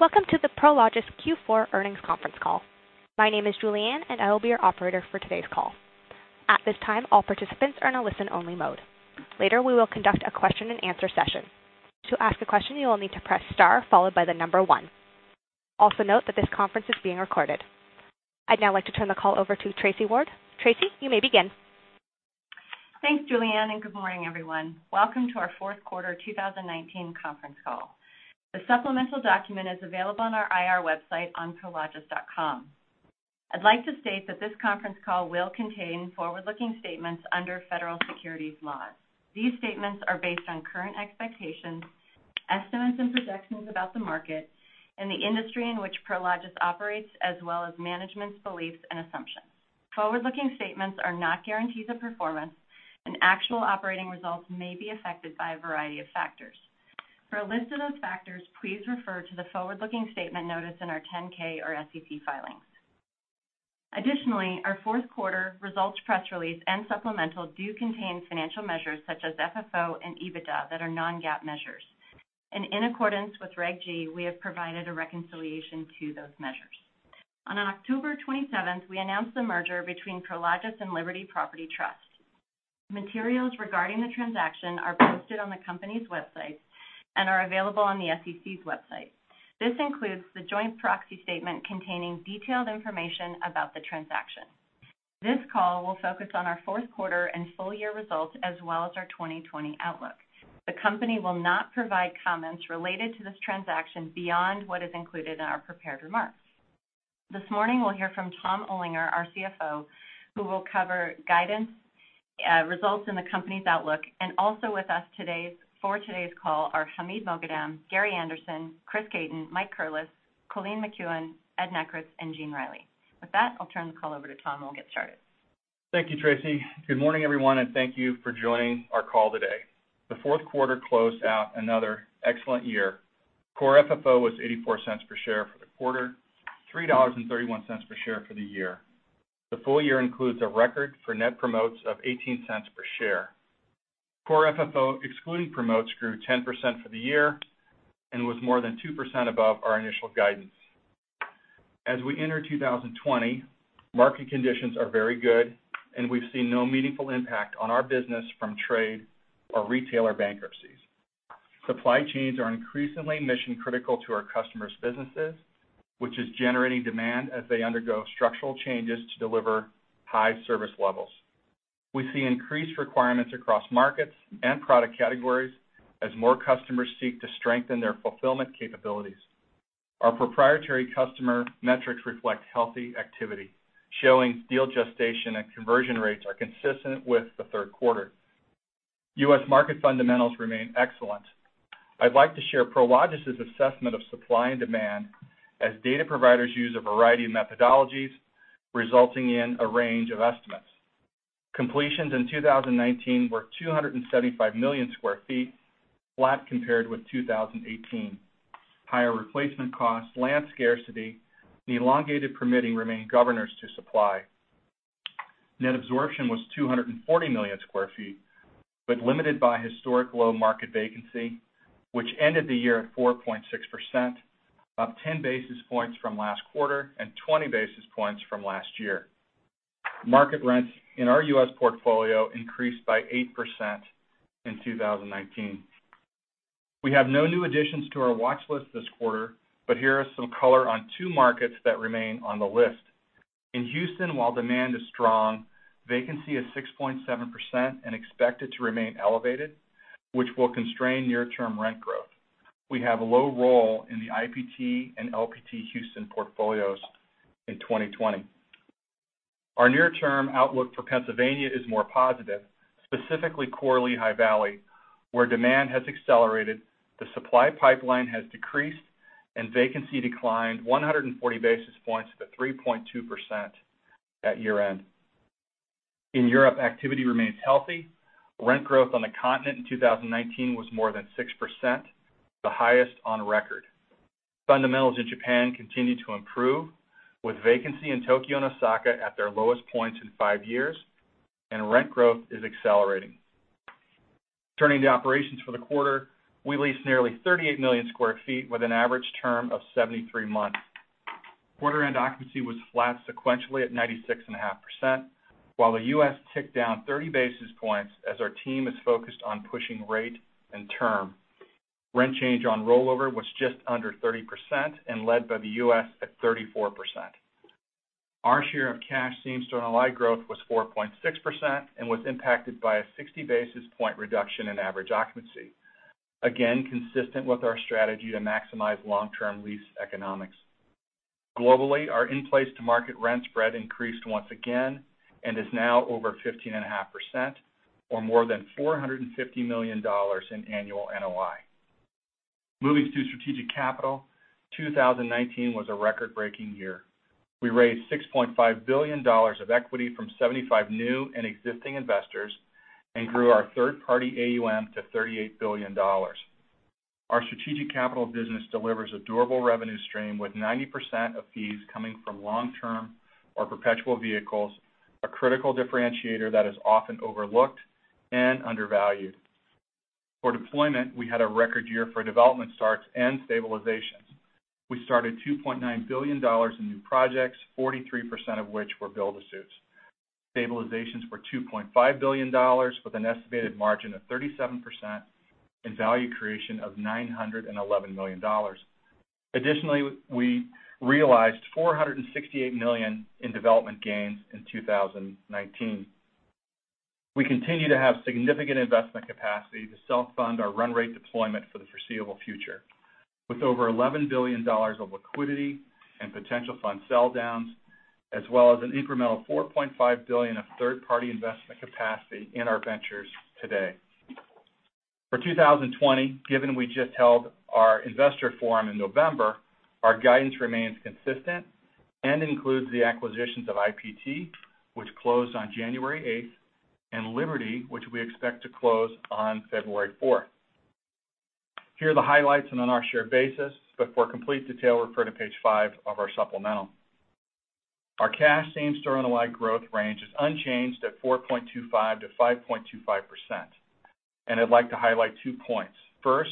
Welcome to the Prologis Q4 Earnings Conference Call. My name is Julianne. I will be your operator for today's call. At this time, all participants are in a listen only mode. Later, we will conduct a question and answer session. To ask a question, you will need to press star followed by the number one. Also note that this conference is being recorded. I'd now like to turn the call over to Tracy Ward. Tracy, you may begin. Thanks, Julianne, and good morning, everyone. Welcome to our fourth quarter 2019 conference call. The supplemental document is available on our IR website on prologis.com. I'd like to state that this conference call will contain forward-looking statements under Federal Securities laws. These statements are based on current expectations, estimates, and projections about the market and the industry in which Prologis operates, as well as management's beliefs and assumptions. Forward-looking statements are not guarantees of performance, and actual operating results may be affected by a variety of factors. For a list of those factors, please refer to the forward-looking statement notice in our 10K or SEC filings. Additionally, our fourth quarter results press release and supplemental do contain financial measures such as FFO and EBITDA that are non-GAAP measures. In accordance with Regulation G, we have provided a reconciliation to those measures. On October 27th, we announced the merger between Prologis and Liberty Property Trust. Materials regarding the transaction are posted on the company's websites and are available on the SEC's website. This includes the joint proxy statement containing detailed information about the transaction. This call will focus on our fourth quarter and full-year results, as well as our 2020 outlook. The company will not provide comments related to this transaction beyond what is included in our prepared remarks. This morning we'll hear from Tom Olinger, our CFO, who will cover guidance, results, and the company's outlook. Also with us for today's call are Hamid Moghadam, Gary Anderson, Chris Caton, Mike Curless, Colleen McKeown, Ed Nekritz, and Gene Reilly. With that, I'll turn the call over to Tom, and we'll get started. Thank you, Tracy. Good morning, everyone, and thank you for joining our call today. The fourth quarter closed out another excellent year. Core FFO was $0.84 per share for the quarter, $3.31 per share for the year. The full-year includes a record for net promotes of $0.18 per share. Core FFO excluding promotes grew 10% for the year and was more than 2% above our initial guidance. As we enter 2020, market conditions are very good, and we've seen no meaningful impact on our business from trade or retailer bankruptcies. Supply chains are increasingly mission critical to our customers' businesses, which is generating demand as they undergo structural changes to deliver high service levels. We see increased requirements across markets and product categories as more customers seek to strengthen their fulfillment capabilities. Our proprietary customer metrics reflect healthy activity, showing deal gestation and conversion rates are consistent with the third quarter. U.S. market fundamentals remain excellent. I'd like to share Prologis' assessment of supply and demand as data providers use a variety of methodologies, resulting in a range of estimates. Completions in 2019 were 275 million sq ft, flat compared with 2018. Higher replacement costs, land scarcity, and elongated permitting remain governors to supply. Net absorption was 240 million sq ft, but limited by historic low market vacancy, which ended the year at 4.6%, up 10 basis points from last quarter and 20 basis points from last year. Market rents in our U.S. portfolio increased by 8% in 2019. We have no new additions to our watch list this quarter, but here are some color on two markets that remain on the list. In Houston, while demand is strong, vacancy is 6.7% and expected to remain elevated, which will constrain near-term rent growth. We have a low role in the IPT and LPT Houston portfolios in 2020. Our near term outlook for Pennsylvania is more positive, specifically core Lehigh Valley, where demand has accelerated, the supply pipeline has decreased, and vacancy declined 140 basis points to 3.2% at year-end. In Europe, activity remains healthy. Rent growth on the continent in 2019 was more than 6%, the highest on record. Fundamentals in Japan continue to improve, with vacancy in Tokyo and Osaka at their lowest points in five years, and rent growth is accelerating. Turning to operations for the quarter, we leased nearly 38 million square feet with an average term of 73 months. Quarter end occupancy was flat sequentially at 96.5%, while the U.S. ticked down 30 basis points as our team is focused on pushing rate and term. Rent change on rollover was just under 30% and led by the U.S. at 34%. Our share of cash same-store to NOI growth was 4.6% and was impacted by a 60 basis point reduction in average occupancy. Again, consistent with our strategy to maximize long-term lease economics. Globally, our in-place to market rent spread increased once again and is now over 15.5%, or more than $450 million in annual NOI. Moving to strategic capital, 2019 was a record-breaking year. We raised $6.5 billion of equity from 75 new and existing investors and grew our third-party AUM to $38 billion. Our strategic capital business delivers a durable revenue stream with 90% of fees coming from long-term or perpetual vehicles. A critical differentiator that is often overlooked and undervalued. For deployment, we had a record year for development starts and stabilizations. We started $2.9 billion in new projects, 43% of which were build-to-suits. Stabilizations were $2.5 billion, with an estimated margin of 37% and value creation of $911 million. Additionally, we realized $468 million in development gains in 2019. We continue to have significant investment capacity to self-fund our run rate deployment for the foreseeable future. With over $11 billion of liquidity and potential fund sell downs, as well as an incremental $4.5 billion of third-party investment capacity in our ventures today. For 2020, given we just held our investor forum in November, our guidance remains consistent and includes the acquisitions of IPT, which closed on January 8th, and Liberty, which we expect to close on February 4th. Here are the highlights on an our share basis. For complete detail, refer to page five of our supplemental. Our cash same-store NOI growth range is unchanged at 4.25%-5.25%. I'd like to highlight two points. First,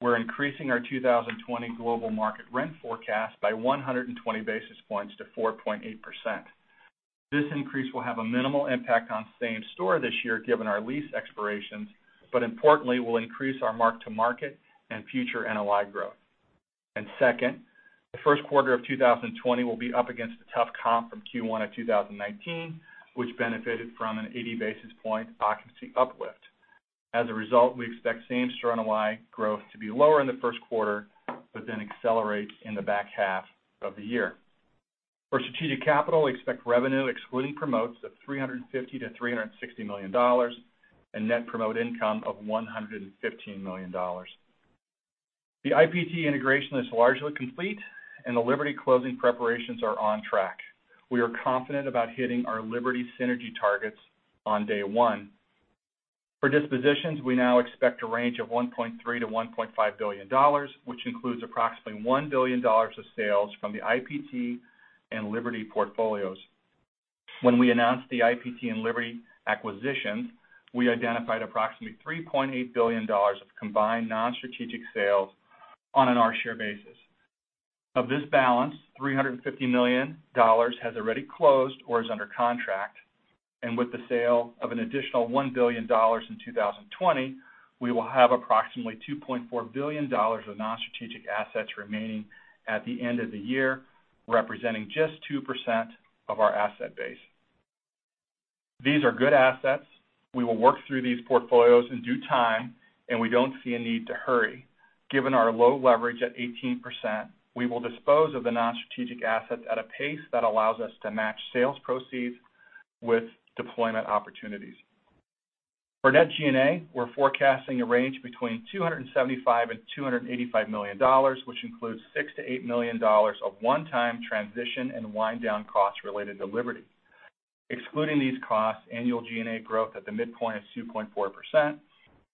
we're increasing our 2020 global market rent forecast by 120 basis points to 4.8%. This increase will have a minimal impact on same-store this year, given our lease expirations. Importantly, will increase our mark to market and future NOI growth. Second, the first quarter of 2020 will be up against a tough comp from Q1 of 2019, which benefited from an 80 basis point occupancy uplift. We expect same store NOI growth to be lower in the first quarter then accelerate in the back half of the year. For strategic capital, we expect revenue excluding promotes of $350 million-$360 million and net promote income of $115 million. The IPT integration is largely complete the Liberty closing preparations are on track. We are confident about hitting our Liberty synergy targets on day one. For dispositions, we now expect a range of $1.3 billion-$1.5 billion, which includes approximately $1 billion of sales from the IPT and Liberty portfolios. When we announced the IPT and Liberty acquisitions, we identified approximately $3.8 billion of combined non-strategic sales on an our share basis. Of this balance, $350 million has already closed or is under contract. With the sale of an additional $1 billion in 2020, we will have approximately $2.4 billion of non-strategic assets remaining at the end of the year, representing just 2% of our asset base. These are good assets. We will work through these portfolios in due time, and we don't see a need to hurry. Given our low leverage at 18%, we will dispose of the non-strategic assets at a pace that allows us to match sales proceeds with deployment opportunities. For net G&A, we're forecasting a range between $275 and $285 million, which includes $6 to $8 million of one-time transition and wind down costs related to Liberty. Excluding these costs, annual G&A growth at the midpoint is 2.4%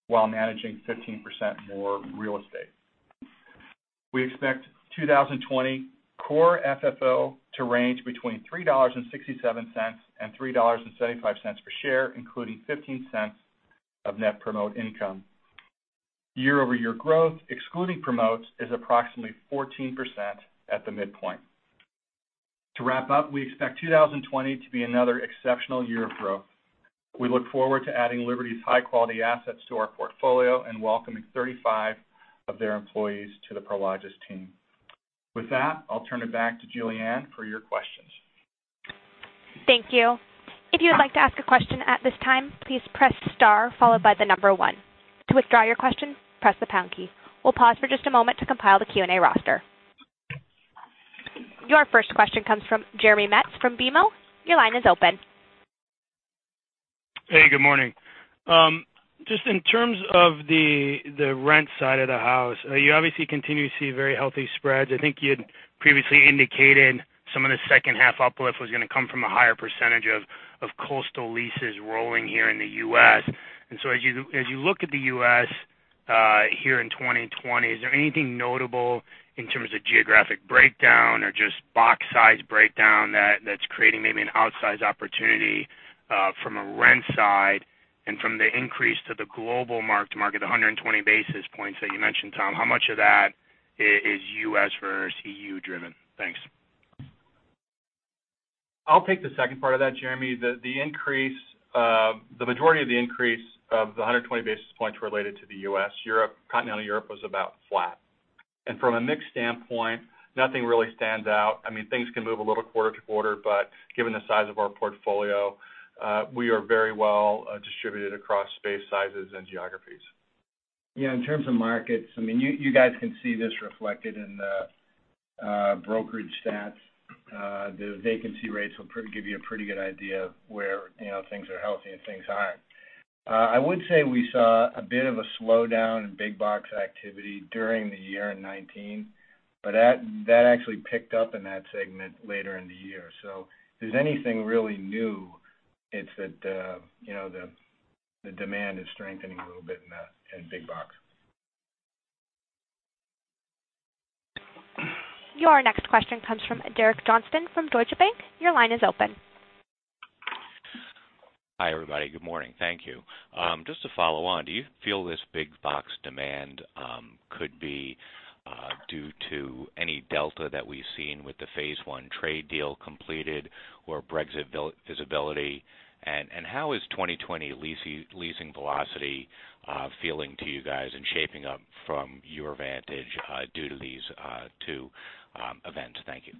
while managing 15% more real estate. We expect 2020 core FFO to range between $3.67 and $3.75 per share, including $0.15 of net promote income. Year-over-year growth, excluding promotes, is approximately 14% at the midpoint. To wrap up, we expect 2020 to be another exceptional year of growth. We look forward to adding Liberty's high-quality assets to our portfolio and welcoming 35 of their employees to the Prologis team. With that, I'll turn it back to Julianne for your questions. Thank you. If you would like to ask a question at this time, please press star followed by the number one. To withdraw your question, press the pound key. We'll pause for just a moment to compile the Q&A roster. Your first question comes from Jeremy Metz from BMO. Your line is open. Hey, good morning. Just in terms of the rent side of the house, you obviously continue to see very healthy spreads. I think you had previously indicated some of the second half uplift was going to come from a higher percentage of coastal leases rolling here in the U.S. As you look at the U.S. here in 2020, is there anything notable in terms of geographic breakdown or just box size breakdown that's creating maybe an outsize opportunity from a rent side and from the increase to the global mark to market, the 120 basis points that you mentioned, Tom, how much of that is U.S. versus EU driven? Thanks. I'll take the second part of that, Jeremy. The majority of the increase of the 120 basis points related to the U.S. Europe, continental Europe was about flat. From a mix standpoint, nothing really stands out. I mean, things can move a little quarter to quarter, but given the size of our portfolio, we are very well distributed across space sizes and geographies. In terms of markets, you guys can see this reflected in the brokerage stats. The vacancy rates will give you a pretty good idea of where things are healthy and things aren't. I would say we saw a bit of a slowdown in big box activity during the year in 2019, but that actually picked up in that segment later in the year. If there's anything really new, it's that the demand is strengthening a little bit in big box. Your next question comes from Derek Johnston from Deutsche Bank. Your line is open. Hi, everybody. Good morning. Thank you. Just to follow on, do you feel this big box demand could be due to any delta that we've seen with the phase one trade deal completed or Brexit visibility? How is 2020 leasing velocity feeling to you guys and shaping up from your vantage due to these two events? Thank you.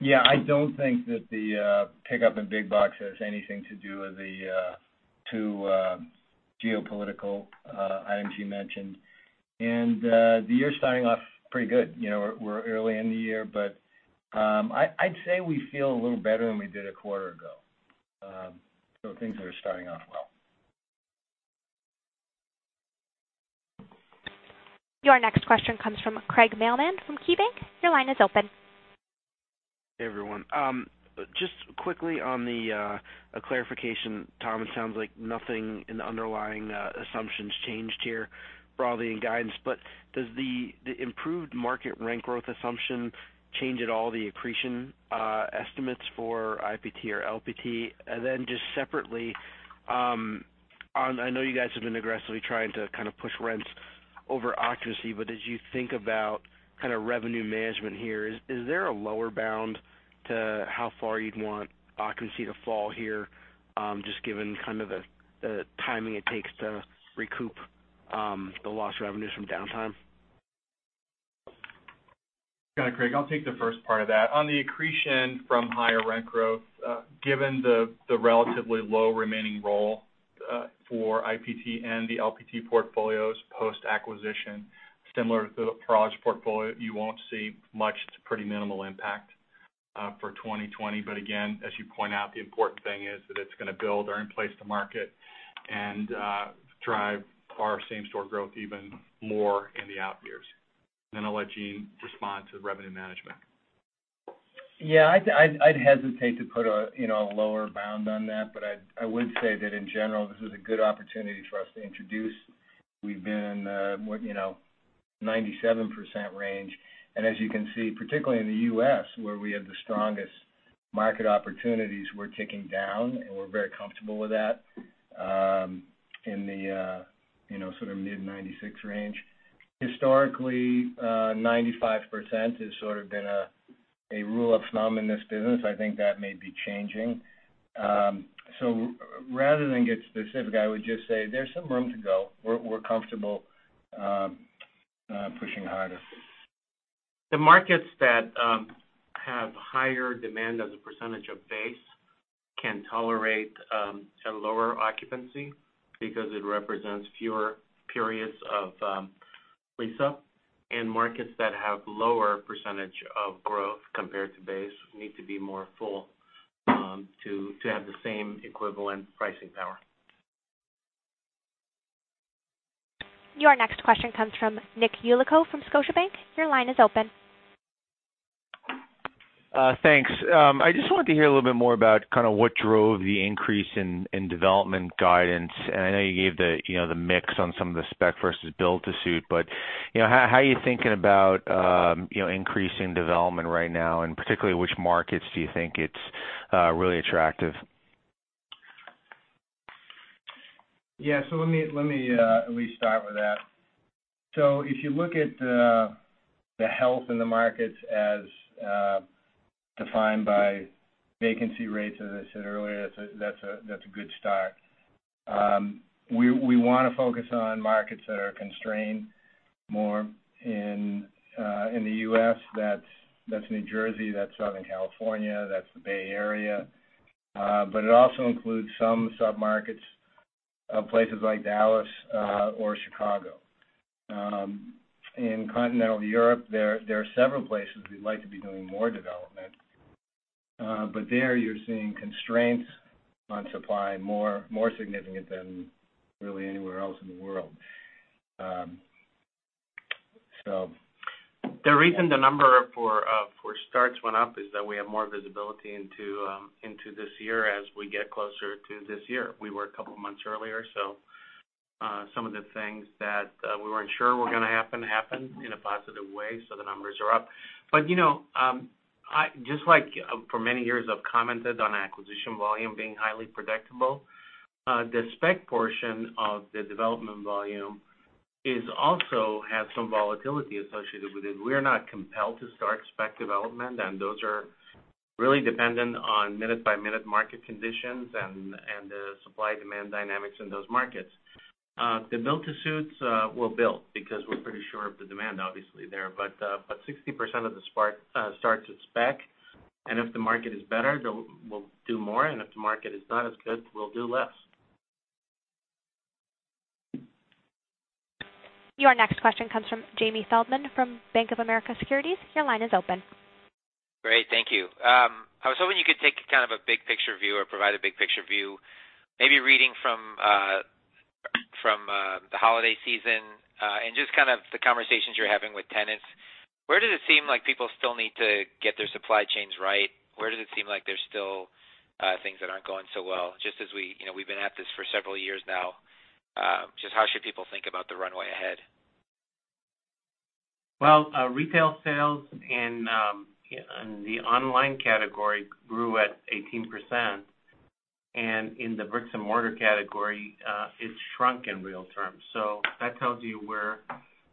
Yeah, I don't think that the pickup in big box has anything to do with the two geopolitical items you mentioned. The year's starting off pretty good. We're early in the year, I'd say we feel a little better than we did a quarter ago. Things are starting off well. Your next question comes from Craig Mailman from KeyBank. Your line is open. Hey, everyone. Just quickly on the clarification, Tom, it sounds like nothing in the underlying assumptions changed here broadly in guidance. Does the improved market rent growth assumption change at all the accretion estimates for IPT or LPT? Separately, I know you guys have been aggressively trying to kind of push rents over occupancy. As you think about kind of revenue management here, is there a lower bound to how far you'd want occupancy to fall here, just given kind of the timing it takes to recoup the lost revenues from downtime? Got it, Craig. I'll take the first part of that. On the accretion from higher rent growth, given the relatively low remaining roll for IPT and the LPT portfolios post-acquisition, similar to the Prologis portfolio, you won't see much. It's a pretty minimal impact for 2020. Again, as you point out, the important thing is that it's going to build our in-place to market and drive our same-store growth even more in the out years. I'll let Gene respond to the revenue management. Yeah, I'd hesitate to put a lower bound on that. I would say that in general, this is a good opportunity for us to introduce. We've been in the 97% range. As you can see, particularly in the U.S., where we have the strongest market opportunities, we're ticking down, and we're very comfortable with that in the sort of mid-96 range. Historically, 95% has sort of been a rule of thumb in this business. I think that may be changing. Rather than get specific, I would just say there's some room to go. We're comfortable pushing harder. The markets that have higher demand as a percentage of base can tolerate a lower occupancy because it represents fewer periods of lease-up. Markets that have lower percentage of growth compared to base need to be more full to have the same equivalent pricing power. Your next question comes from Nick Yulico from Scotiabank. Your line is open. Thanks. I just wanted to hear a little bit more about kind of what drove the increase in development guidance. I know you gave the mix on some of the spec versus build-to-suit, but how are you thinking about increasing development right now? Particularly, which markets do you think it's really attractive? Yeah. Let me at least start with that. If you look at the health in the markets as defined by vacancy rates, as I said earlier, that's a good start. We want to focus on markets that are constrained more. In the U.S., that's New Jersey, that's Southern California, that's the Bay Area. It also includes some sub-markets of places like Dallas or Chicago. In continental Europe, there are several places we'd like to be doing more development. There you're seeing constraints on supply more significant than really anywhere else in the world. The reason the number for starts went up is that we have more visibility into this year as we get closer to this year. We were a couple of months earlier, so some of the things that we weren't sure were going to happen, happened in a positive way, so the numbers are up. Just like for many years, I've commented on acquisition volume being highly predictable. The spec portion of the development volume also has some volatility associated with it. We're not compelled to start spec development, and those are really dependent on minute-by-minute market conditions and the supply-demand dynamics in those markets. The build-to-suits we'll build because we're pretty sure of the demand, obviously, there. 60% of the starts are spec, and if the market is better, we'll do more, and if the market is not as good, we'll do less. Your next question comes from Jamie Feldman from Bank of America Securities. Your line is open. Great. Thank you. I was hoping you could take kind of a big-picture view or provide a big-picture view, maybe reading from the holiday season and just kind of the conversations you're having with tenants. Where does it seem like people still need to get their supply chains right? Where does it seem like there's still things that aren't going so well? Just as we've been at this for several years now. Just how should people think about the runway ahead? Well, retail sales in the online category grew at 18%, and in the bricks and mortar category, it shrunk in real terms. That tells you where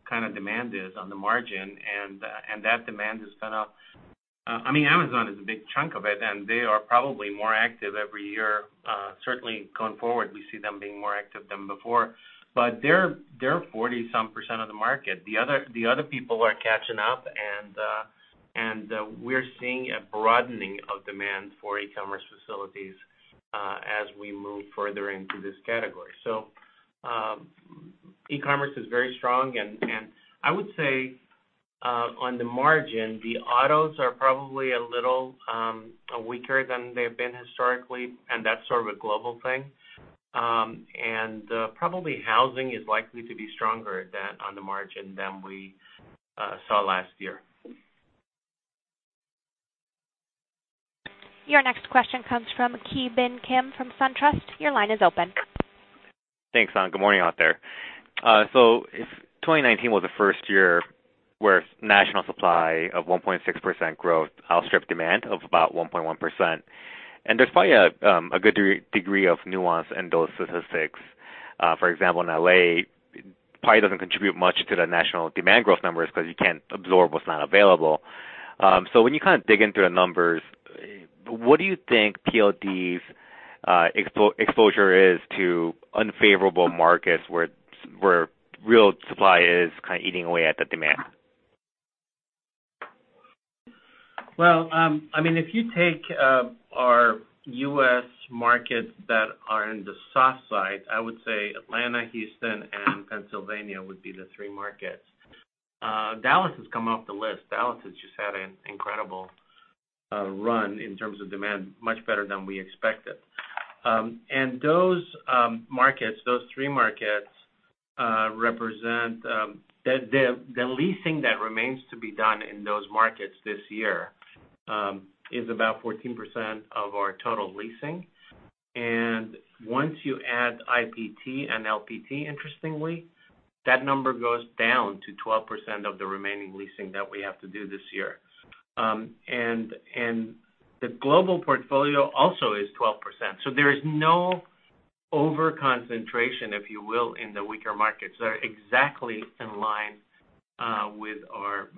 kind of demand is on the margin. That demand has gone up. Amazon is a big chunk of it, and they are probably more active every year. Certainly, going forward, we see them being more active than before. They're 40% of the market. The other people are catching up, and we're seeing a broadening of demand for e-commerce facilities as we move further into this category. E-commerce is very strong, and I would say, on the margin, the autos are probably a little weaker than they've been historically, and that's sort of a global thing. Probably housing is likely to be stronger on the margin than we saw last year. Your next question comes from Ki Bin Kim from SunTrust. Your line is open. Thanks. Good morning out there. If 2019 was the first year where national supply of 1.6% growth outstripped demand of about 1.1%, and there's probably a good degree of nuance in those statistics. For example, in L.A., it probably doesn't contribute much to the national demand growth numbers because you can't absorb what's not available. When you kind of dig into the numbers, what do you think PLD's exposure is to unfavorable markets where real supply is kind of eating away at the demand? If you take our U.S. markets that are in the soft side, I would say Atlanta, Houston, and Pennsylvania would be the three markets. Dallas has come off the list. Dallas has just had an incredible run in terms of demand, much better than we expected. Those markets, those three markets, the leasing that remains to be done in those markets this year is about 14% of our total leasing. Once you add IPT and LPT, interestingly, that number goes down to 12% of the remaining leasing that we have to do this year. The global portfolio also is 12%. There is no over-concentration, if you will, in the weaker markets. They're exactly in line with our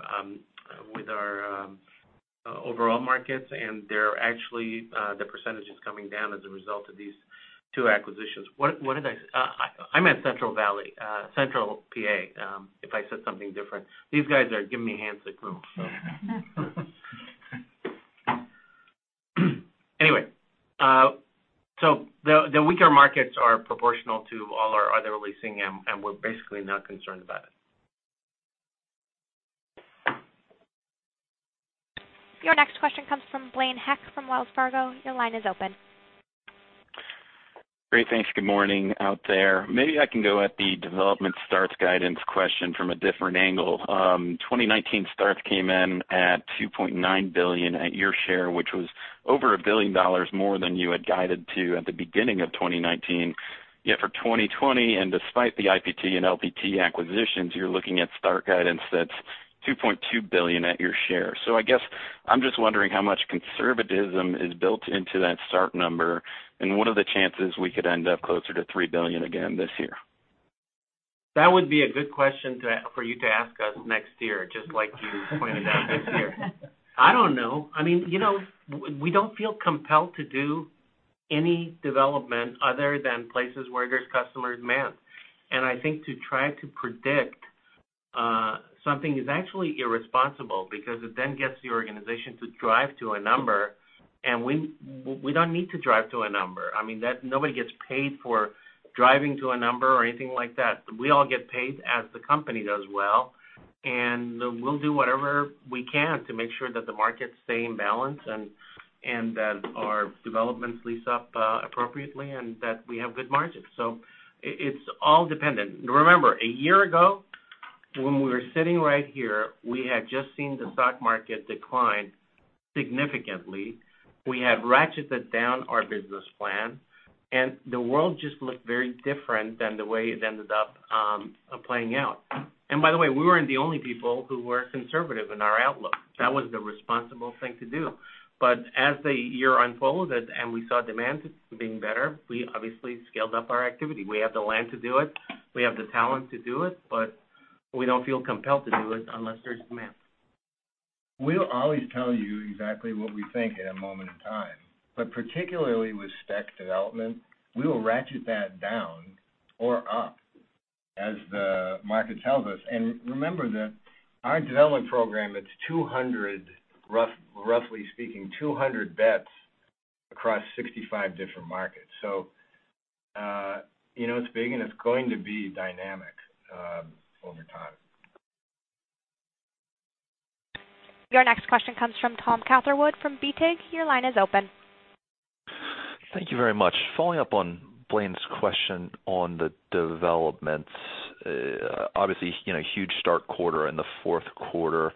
overall markets, and they're actually, the percentage is coming down as a result of these two acquisitions. What did I mean Central Valley, Central PA, if I said something different. These guys are giving me hands signals. Anyway. The weaker markets are proportional to all our other leasing, and we're basically not concerned about it. Your next question comes from Blaine Heck from Wells Fargo. Your line is open. Great. Thanks. Good morning out there. Maybe I can go at the development starts guidance question from a different angle. 2019 starts came in at $2.9 billion at your share, which was over $1 billion more than you had guided to at the beginning of 2019. For 2020, and despite the IPT and LPT acquisitions, you are looking at start guidance that is $2.2 billion at your share. I guess I am just wondering how much conservatism is built into that start number, and what are the chances we could end up closer to $3 billion again this year? That would be a good question for you to ask us next year, just like you pointed out this year. I don't know. We don't feel compelled to do any development other than places where there's customer demand. I think to try to predict something is actually irresponsible because it then gets the organization to drive to a number, and we don't need to drive to a number. Nobody gets paid for driving to a number or anything like that. We all get paid as the company does well, and we'll do whatever we can to make sure that the markets stay in balance and that our developments lease up appropriately and that we have good margins. It's all dependent. Remember, a year ago, when we were sitting right here, we had just seen the stock market decline significantly. We had ratcheted down our business plan, and the world just looked very different than the way it ended up playing out. By the way, we weren't the only people who were conservative in our outlook. That was the responsible thing to do. As the year unfolded and we saw demand being better, we obviously scaled up our activity. We have the land to do it, we have the talent to do it, but we don't feel compelled to do it unless there's demand. We'll always tell you exactly what we think at a moment in time. Particularly with spec development, we will ratchet that down or up as the market tells us. Remember that our development program, it's roughly speaking, 200 bets across 65 different markets. It's big, and it's going to be dynamic over time. Your next question comes from Tom Catherwood from BTIG. Your line is open. Thank you very much. Following up on Blaine's question on the developments. Obviously, huge start quarter in the fourth quarter.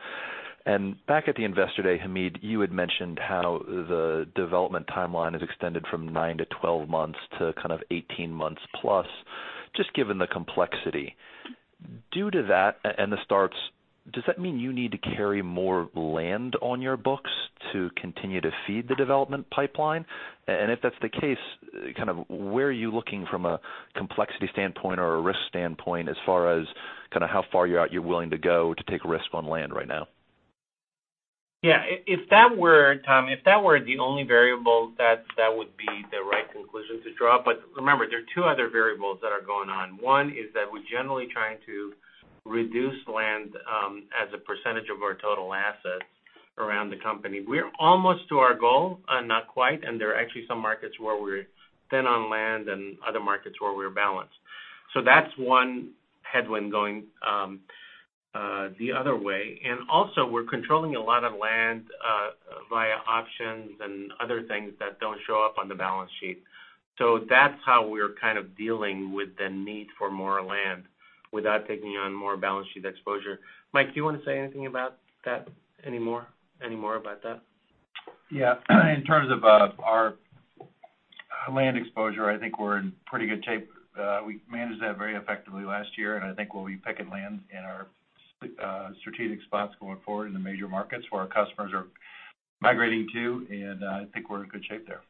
Back at the investor day, Hamid, you had mentioned how the development timeline has extended from nine to 12 months to kind of 18 months plus, just given the complexity. Due to that and the starts, does that mean you need to carry more land on your books to continue to feed the development pipeline? If that's the case, where are you looking from a complexity standpoint or a risk standpoint, as far as how far you're willing to go to take a risk on land right now? If that were, Tom, the only variable, that would be the right conclusion to draw. Remember, there are two other variables that are going on. One is that we're generally trying to reduce land as a percentage of our total assets around the company. We're almost to our goal, not quite, and there are actually some markets where we're thin on land and other markets where we're balanced. That's one headwind going the other way, and also we're controlling a lot of land via options and other things that don't show up on the balance sheet. That's how we're kind of dealing with the need for more land without taking on more balance sheet exposure. Mike, do you want to say anything about that anymore? Any more about that? Yeah. In terms of our land exposure, I think we're in pretty good shape. We managed that very effectively last year, and I think we'll be picking land in our strategic spots going forward in the major markets where our customers are migrating to, and I think we're in good shape there.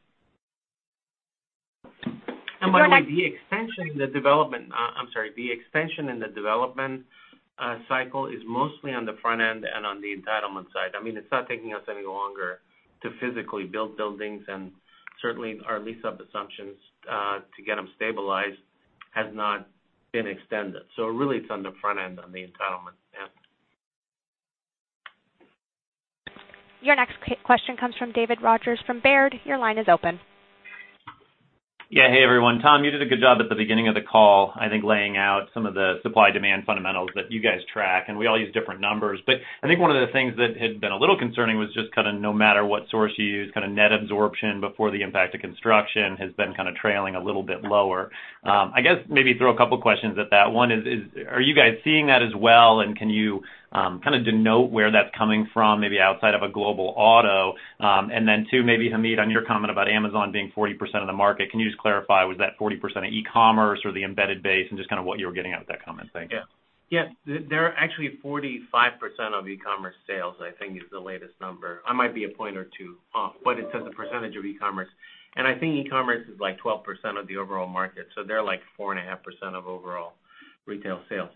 By the way, the extension in the development cycle is mostly on the front end and on the entitlement side. It's not taking us any longer to physically build buildings, and certainly our lease-up assumptions to get them stabilized has not been extended. Really, it's on the front end on the entitlement. Yeah. Your next question comes from David Rogers from Baird. Your line is open. Hey, everyone. Tom, you did a good job at the beginning of the call, I think, laying out some of the supply-demand fundamentals that you guys track, and we all use different numbers. I think one of the things that had been a little concerning was just kind of no matter what source you use, kind of net absorption before the impact of construction has been kind of trailing a little bit lower. I guess maybe throw a couple questions at that. One is, are you guys seeing that as well, and can you kind of denote where that's coming from, maybe outside of a global auto? Two, maybe Hamid, on your comment about Amazon being 40% of the market, can you just clarify, was that 40% of e-commerce or the embedded base and just kind of what you were getting at with that comment? Thank you. Yeah. They're actually 45% of e-commerce sales, I think is the latest number. I might be a point or two off, but it's as a percentage of e-commerce, and I think e-commerce is like 12% of the overall market, so they're like 4.5% of overall retail sales.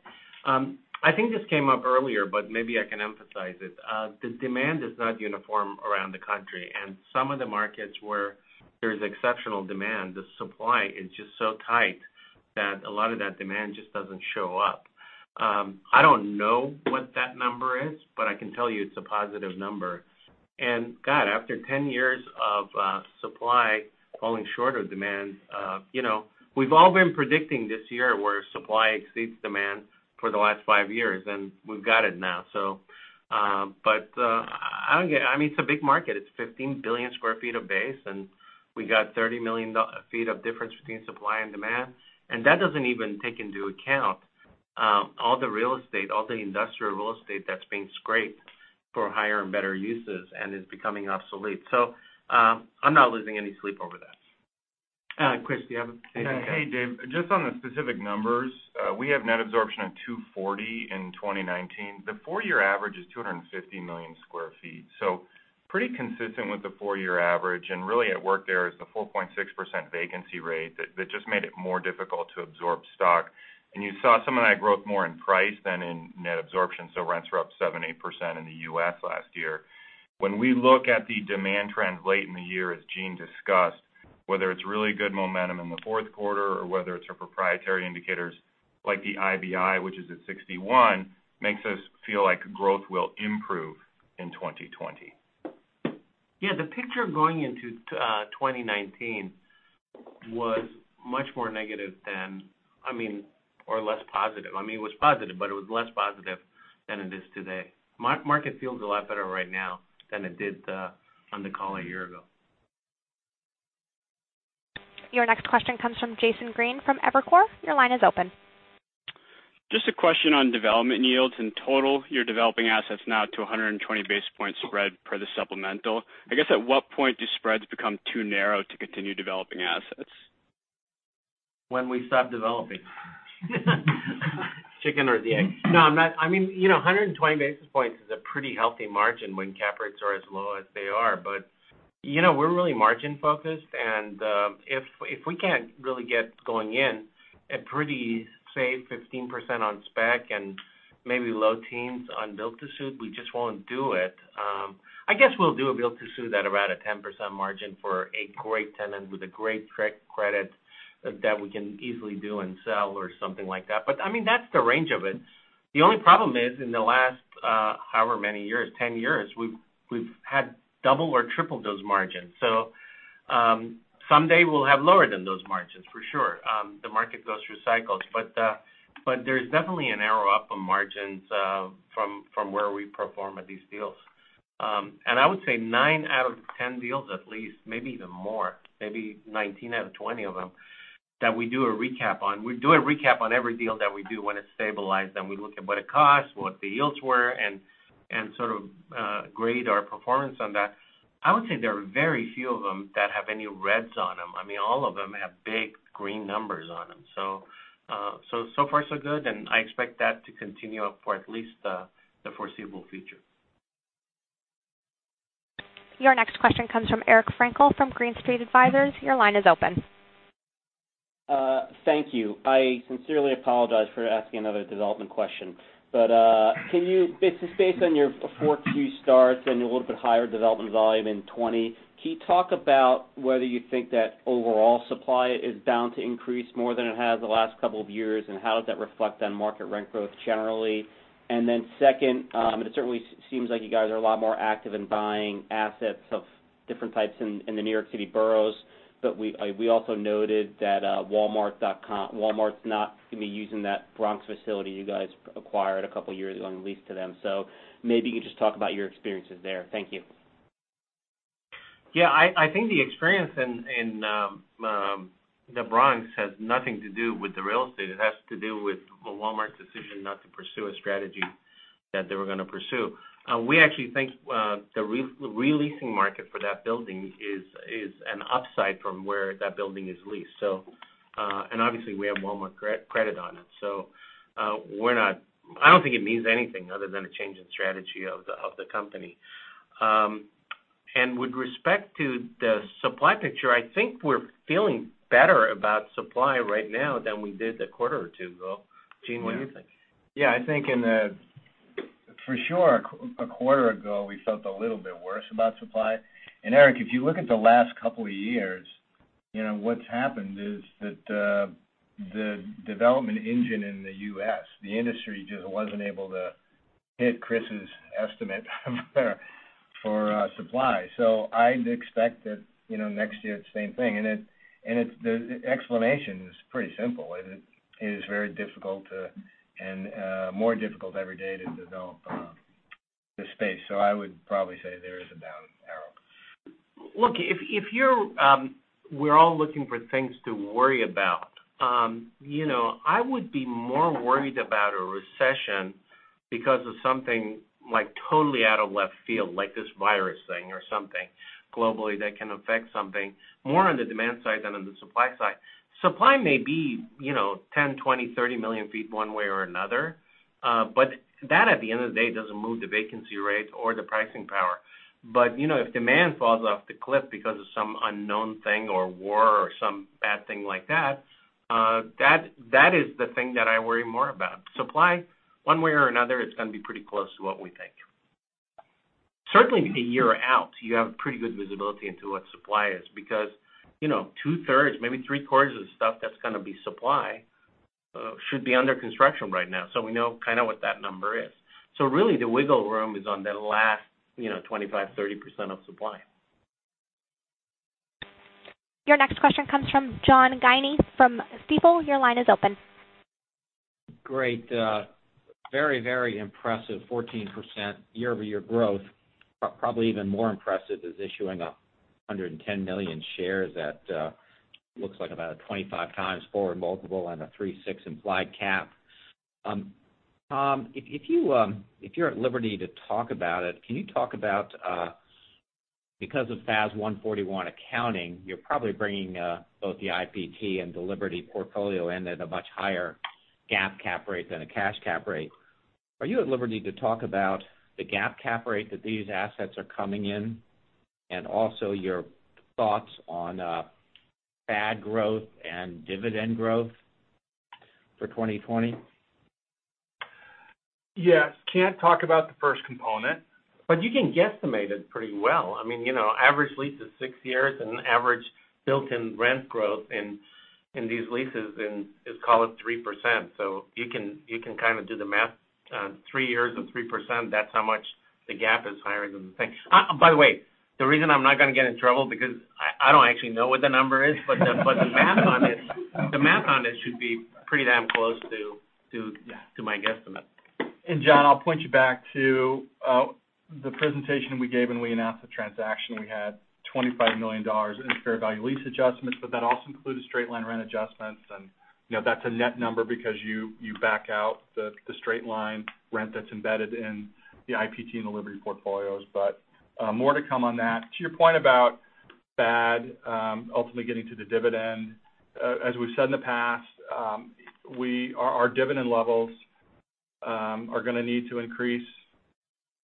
I think this came up earlier, but maybe I can emphasize it. The demand is not uniform around the country, and some of the markets where there's exceptional demand, the supply is just so tight that a lot of that demand just doesn't show up. I don't know what that number is, but I can tell you it's a positive number. God, after 10 years of supply falling short of demand, we've all been predicting this year where supply exceeds demand for the last five years, and we've got it now. It's a big market. It's 15 billion square feet of base. We got 30 million feet of difference between supply and demand. That doesn't even take into account all the real estate, all the industrial real estate that's being scraped for higher and better uses and is becoming obsolete. I'm not losing any sleep over that. Chris, do you have a specific? Hey, Dave. Just on the specific numbers, we have net absorption of 240 in 2019. The four-year average is 250 million sq ft, pretty consistent with the four-year average. Really at work there is the 4.6% vacancy rate that just made it more difficult to absorb stock. You saw some of that growth more in price than in net absorption. Rents were up 7%-8% in the U.S. last year. When we look at the demand trends late in the year, as Gene discussed, whether it's really good momentum in the fourth quarter or whether it's our proprietary indicators like the IBI, which is at 61, makes us feel like growth will improve in 2020. Yeah, the picture going into 2019 was much more negative than or less positive. It was positive, but it was less positive than it is today. Market feels a lot better right now than it did on the call a year ago. Your next question comes from Jason Green from Evercore. Your line is open. Just a question on development yields. In total, you're developing assets now to 120 basis points spread per the supplemental. I guess at what point do spreads become too narrow to continue developing assets? When we stop developing. Chicken or the egg. No, I'm not. 120 basis points is a pretty healthy margin when cap rates are as low as they are. We're really margin-focused, and if we can't really get going in at pretty, say, 15% on spec and maybe low teens on built to suit, we just won't do it. I guess we'll do a built to suit at around a 10% margin for a great tenant with a great credit that we can easily do and sell or something like that. That's the range of it. The only problem is, in the last however many years, 10 years, we've had double or triple those margins. Someday we'll have lower than those margins, for sure. The market goes through cycles. There's definitely a narrow-up on margins from where we perform at these deals. I would say nine out of 10 deals at least, maybe even more, maybe 19 out of 20 of them, that we do a recap on. We do a recap on every deal that we do when it's stabilized, and we look at what it costs, what the yields were, and sort of grade our performance on that. I would say there are very few of them that have any reds on them. All of them have big green numbers on them. So far so good, and I expect that to continue for at least the foreseeable future. Your next question comes from Eric Frankel from Green Street Advisors. Your line is open. Thank you. I sincerely apologize for asking another development question. Based on your fourth Q starts and a little bit higher development volume in '20, can you talk about whether you think that overall supply is bound to increase more than it has the last couple of years, and how does that reflect on market rent growth generally? Then second, it certainly seems like you guys are a lot more active in buying assets of different types in the New York City boroughs. We also noted that Walmart's not going to be using that Bronx facility you guys acquired a couple of years ago and leased to them. Maybe you can just talk about your experiences there. Thank you. Yeah, I think the experience in the Bronx has nothing to do with the real estate. It has to do with Walmart's decision not to pursue a strategy that they were going to pursue. We actually think the re-leasing market for that building is an upside from where that building is leased. Obviously, we have Walmart credit on it, so I don't think it means anything other than a change in strategy of the company. With respect to the supply picture, I think we're feeling better about supply right now than we did a quarter or two ago. Gene, what do you think? Yeah, I think for sure a quarter ago, we felt a little bit worse about supply. Eric, if you look at the last couple of years, what's happened is that the development engine in the U.S., the industry just wasn't able to hit Chris's estimate for supply. I'd expect that next year, the same thing. The explanation is pretty simple. It is very difficult to, and more difficult every day to develop the space. I would probably say there is a down arrow. Look, if we're all looking for things to worry about, I would be more worried about a recession because of something totally out of left field, like this virus thing or something globally that can affect something more on the demand side than on the supply side. Supply may be 10, 20, 30 million feet one way or another. That at the end of the day doesn't move the vacancy rates or the pricing power. If demand falls off the cliff because of some unknown thing or war or some bad thing like that is the thing that I worry more about. Supply, one way or another, it's going to be pretty close to what we think. Certainly a year out, you have pretty good visibility into what supply is because 2/3, maybe three-quarters of the stuff that's going to be supply should be under construction right now. We know kind of what that number is. Really, the wiggle room is on the last 25, 30% of supply. Your next question comes from John Guinee from Stifel. Your line is open. Great. Very, very impressive 14% year-over-year growth, but probably even more impressive is issuing 110 million shares at, looks like about a 25x forward multiple and a 3.6% implied cap. Tom, if you're at liberty to talk about it, can you talk about, because of FAS 141 accounting, you're probably bringing both the IPT and the Liberty portfolio in at a much higher GAAP cap rate than a cash cap rate. Are you at liberty to talk about the GAAP cap rate that these assets are coming in, and also your thoughts on FAD growth and dividend growth for 2020? Yes. Can't talk about the first component. You can guesstimate it pretty well. Average lease is six years, and average built-in rent growth in these leases is, call it 3%. You can kind of do the math. Three years of 3%, that's how much the GAAP is higher than. By the way, the reason I'm not going to get in trouble, because I don't actually know what the number is, but, the math on it should be pretty damn close to my guesstimate. John, I'll point you back to the presentation we gave when we announced the transaction. We had $25 million in fair value lease adjustments, but that also included straight line rent adjustments. That's a net number because you back out the straight line rent that's embedded in the IPT and the Liberty portfolios. More to come on that. To your point about FAD ultimately getting to the dividend, as we've said in the past, our dividend levels are going to need to increase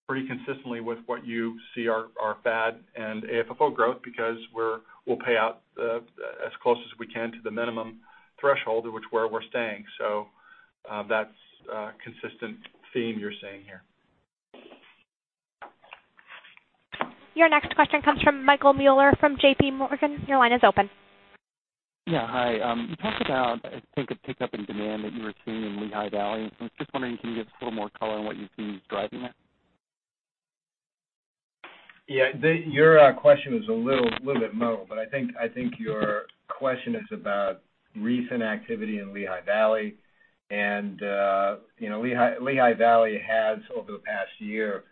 pretty consistently with what you see our FAD and AFFO growth because we'll pay out as close as we can to the minimum threshold at which where we're staying. That's a consistent theme you're seeing here. Your next question comes from Michael Mueller from JPMorgan. Your line is open. Yeah. Hi. You talked about, I think, a pickup in demand that you were seeing in Lehigh Valley. I was just wondering, can you give us a little more color on what you see is driving that? Your question was a little bit muddled. I think your question is about recent activity in Lehigh Valley. Lehigh Valley has, over the past year,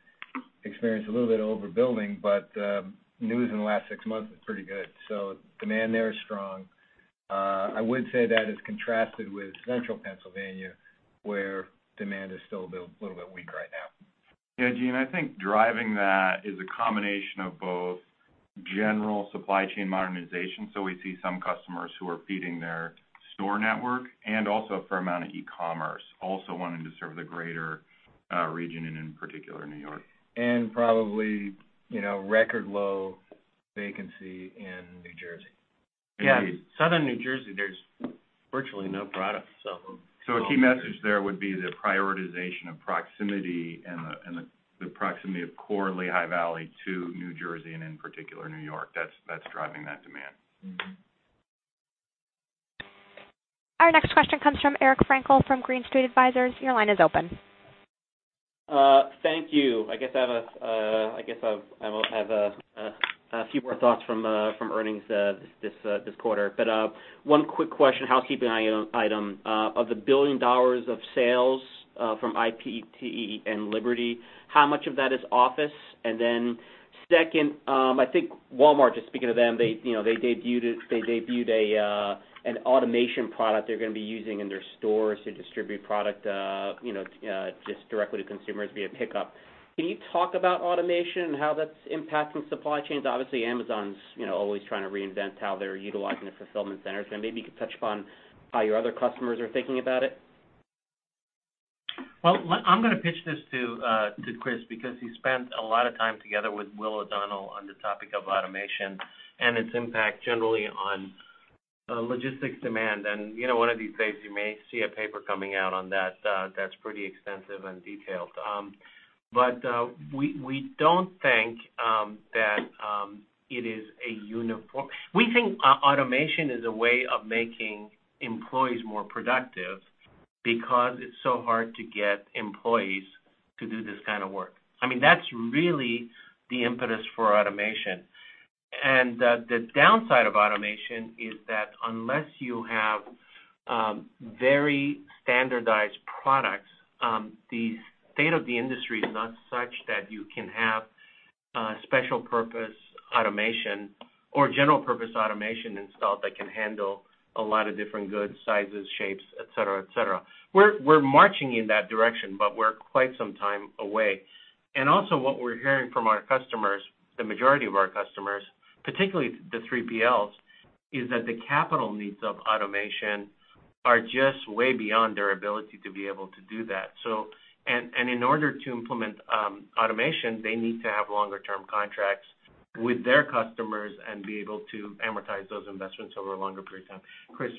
experienced a little bit of overbuilding. News in the last six months is pretty good. Demand there is strong. I would say that is contrasted with Central Pennsylvania, where demand is still a little bit weak right now. Yeah, Gene, I think driving that is a combination of both general supply chain modernization, so we see some customers who are feeding their store network, and also a fair amount of e-commerce also wanting to serve the greater region, and in particular, New York. Probably record low vacancy in New Jersey. Indeed. Yeah. Southern New Jersey, there's virtually no product. A key message there would be the prioritization of proximity and the proximity of core Lehigh Valley to New Jersey, and in particular, New York. That's driving that demand. Our next question comes from Eric Frankel from Green Street Advisors. Your line is open. Thank you. I guess I have a few more thoughts from earnings this quarter. One quick question. Housekeeping item. Of the $1 billion of sales from IPT and Liberty, how much of that is office? Second, I think Walmart, just speaking to them, they debuted an automation product they're going to be using in their stores to distribute product just directly to consumers via pickup. Can you talk about automation and how that's impacting supply chains? Obviously, Amazon's always trying to reinvent how they're utilizing the fulfillment centers, and maybe you could touch upon how your other customers are thinking about it. I'm going to pitch this to Chris, because he spent a lot of time together with Will O'Donnell on the topic of automation and its impact generally on logistics demand. One of these days you may see a paper coming out on that that's pretty extensive and detailed. We think automation is a way of making employees more productive because it's so hard to get employees to do this kind of work. That's really the impetus for automation. The downside of automation is that unless you have very standardized products, the state of the industry is not such that you can have special purpose automation or general purpose automation installed that can handle a lot of different goods, sizes, shapes, et cetera. We're marching in that direction, but we're quite some time away. Also what we're hearing from our customers, the majority of our customers, particularly the 3PLs, is that the capital needs of automation are just way beyond their ability to be able to do that. In order to implement automation, they need to have longer term contracts with their customers and be able to amortize those investments over a longer period of time. Chris?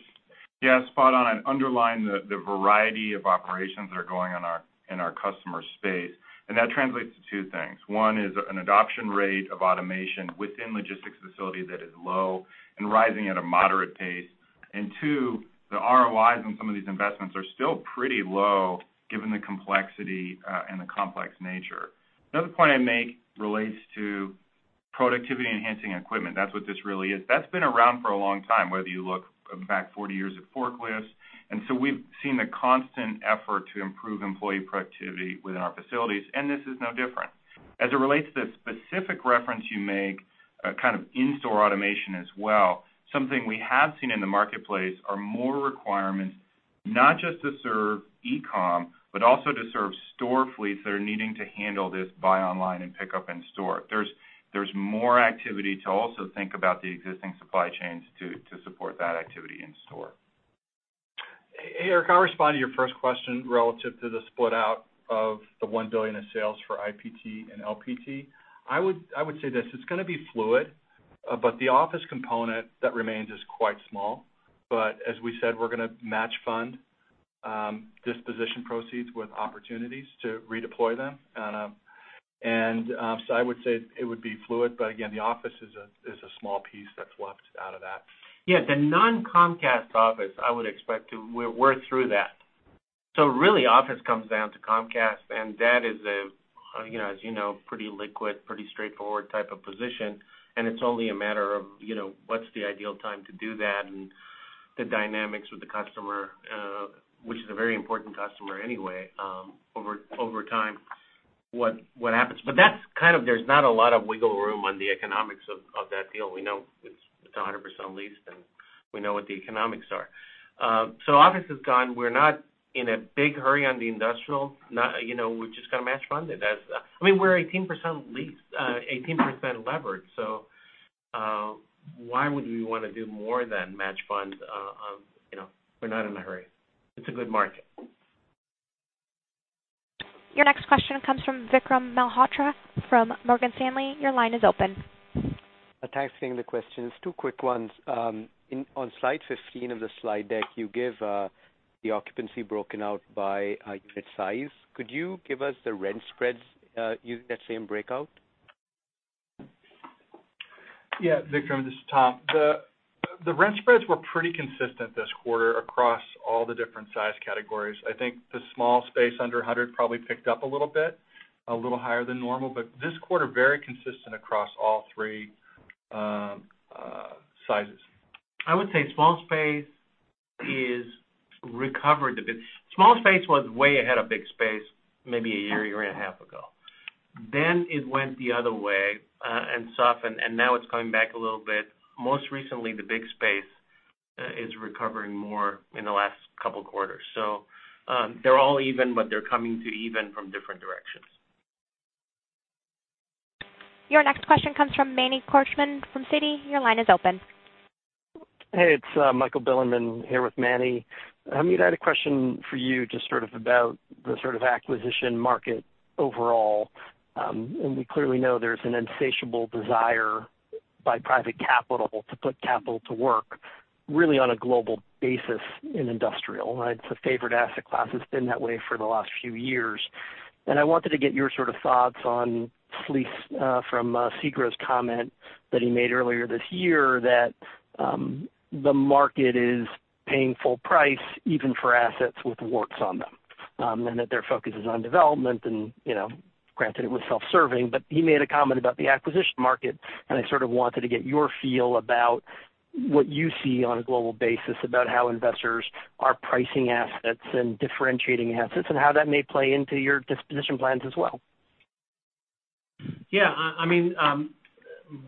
Yeah, spot on, underline the variety of operations that are going in our customer space. That translates to two things. One is an adoption rate of automation within logistics facility that is low and rising at a moderate pace. Two, the ROIs on some of these investments are still pretty low given the complexity and the complex nature. Another point I'd make relates to productivity-enhancing equipment. That's what this really is. That's been around for a long time, whether you look back 40 years at forklifts. We've seen the constant effort to improve employee productivity within our facilities, and this is no different. As it relates to the specific reference you make, kind of in-store automation as well, something we have seen in the marketplace are more requirements, not just to serve e-com, but also to serve store fleets that are needing to handle this buy online and pick up in store. There's more activity to also think about the existing supply chains to support that activity in store. Eric, I'll respond to your first question relative to the split-out of the $1 billion in sales for IPT and LPT. I would say this: it's going to be fluid, the office component that remains is quite small. As we said, we're going to match fund disposition proceeds with opportunities to redeploy them. I would say it would be fluid. Again, the office is a small piece that's left out of that. Yeah. The non-Comcast office, I would expect to work through that. Really office comes down to Comcast, and that is, as you know, pretty liquid, pretty straightforward type of position, and it's only a matter of what's the ideal time to do that and the dynamics with the customer, which is a very important customer anyway, over time, what happens. There's not a lot of wiggle room on the economics of that deal. We know it's 100% leased, and we know what the economics are. Office is gone. We're not in a big hurry on the industrial. We've just got to match fund it as we're 18% leveraged. Why would we want to do more than match funds? We're not in a hurry. It's a good market. Your next question comes from Vikram Malhotra from Morgan Stanley. Your line is open. Thanks for taking the questions. Two quick ones. On slide 15 of the slide deck, you give the occupancy broken out by unit size. Could you give us the rent spreads using that same breakout? Yeah, Vikram, this is Tom. The rent spreads were pretty consistent this quarter across all the different size categories. I think the small space under 100 probably picked up a little bit, a little higher than normal, but this quarter very consistent across all three sizes. I would say small space is recovered a bit. Small space was way ahead of big space maybe a year and a half ago. It went the other way and softened, and now it's coming back a little bit. Most recently, the big space is recovering more in the last couple quarters. They're all even, but they're coming to even from different directions. Your next question comes from Manny Korchman from Citi. Your line is open. Hey, it's Michael Bilerman here with Manny. Hamid, I had a question for you just sort of about the sort of acquisition market overall. We clearly know there's an insatiable desire by private capital to put capital to work really on a global basis in industrial. It's a favorite asset class. It's been that way for the last few years. I wanted to get your sort of thoughts on Sleath from SEGRO's comment that he made earlier this year that the market is paying full price even for assets with warts on them. That their focus is on development and granted it was self-serving, but he made a comment about the acquisition market, and I sort of wanted to get your feel about what you see on a global basis about how investors are pricing assets and differentiating assets and how that may play into your disposition plans as well. Yeah.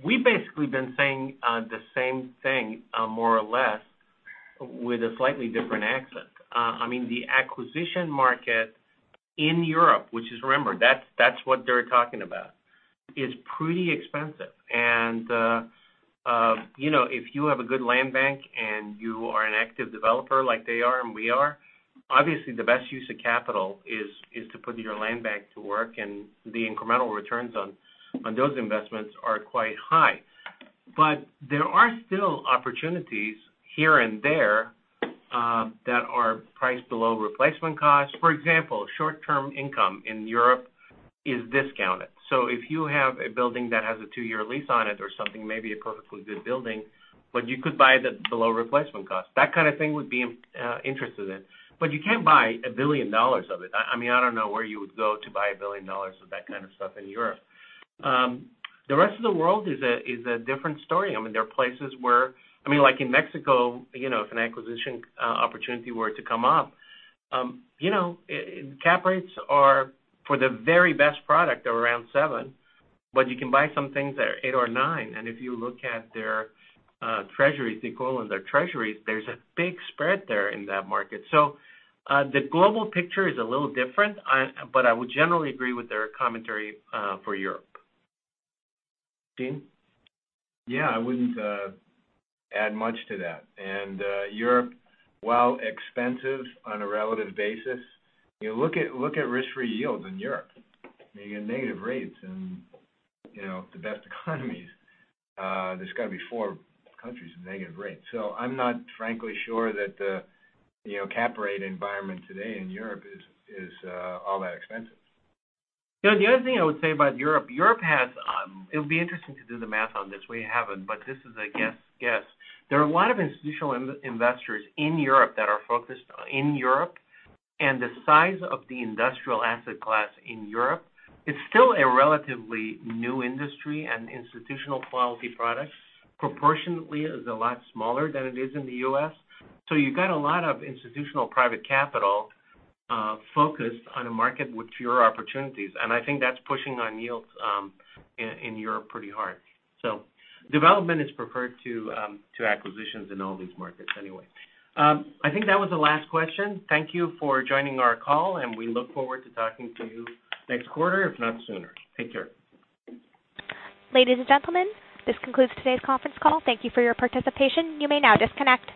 We've basically been saying the same thing, more or less, with a slightly different accent. The acquisition market in Europe, which is, remember, that's what they're talking about, is pretty expensive. If you have a good land bank and you are an active developer like they are and we are, obviously the best use of capital is to put your land bank to work, and the incremental returns on those investments are quite high. There are still opportunities here and there that are priced below replacement cost. For example, short-term income in Europe is discounted. If you have a building that has a two-year lease on it or something, maybe a perfectly good building, but you could buy it at below replacement cost. That kind of thing would be interesting. You can't buy $1 billion of it. I don't know where you would go to buy $1 billion of that kind of stuff in Europe. The rest of the world is a different story. There are places where, like in Mexico, if an acquisition opportunity were to come up, cap rates are for the very best product are around seven, but you can buy some things that are eight or nine. If you look at their treasuries, the equivalent, their treasuries, there's a big spread there in that market. The global picture is a little different. I would generally agree with their commentary for Europe. Dean? Yeah, I wouldn't add much to that. Europe, while expensive on a relative basis, look at risk-free yields in Europe. You get negative rates in the best economies. There's got to be four countries with negative rates. I'm not frankly sure that the cap rate environment today in Europe is all that expensive. The other thing I would say about Europe. It would be interesting to do the math on this. We haven't, but this is a guess. There are a lot of institutional investors in Europe that are focused in Europe. The size of the industrial asset class in Europe is still a relatively new industry, and institutional quality products proportionately is a lot smaller than it is in the U.S. You've got a lot of institutional private capital focused on a market with fewer opportunities. I think that's pushing on yields in Europe pretty hard. Development is preferred to acquisitions in all these markets anyway. I think that was the last question. Thank you for joining our call, and we look forward to talking to you next quarter, if not sooner. Take care. Ladies and gentlemen, this concludes today's conference call. Thank you for your participation. You may now disconnect.